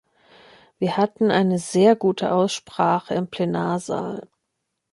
Wir hatten eine sehr gute Aussprache im Plenarsaal.